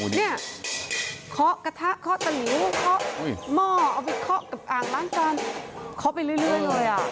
เคาะกระทะเคาะตะหลิวเคาะหม้อเอาไปเคาะกับอ่างล้างจานเคาะไปเรื่อยเลยอ่ะ